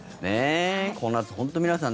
この夏、本当に皆さん